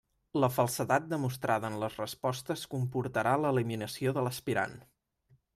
La falsedat demostrada en les respostes comportarà l'eliminació de l'aspirant.